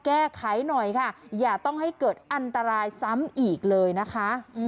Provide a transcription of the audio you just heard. แก้ไขหน่อยค่ะอย่าต้องให้เกิดอันตรายซ้ำอีกเลยนะคะ